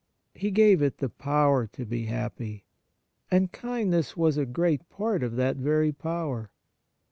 He gave it the power to be happy, and kindness was a great part of that very power.